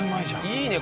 いいね